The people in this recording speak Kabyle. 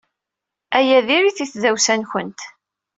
Aya diri-t i tdawsa-nwent.